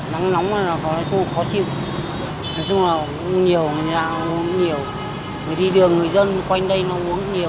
nắng nóng là khó chịu nói chung là nhiều người dạo nhiều người đi đường người dân quanh đây nó uống nhiều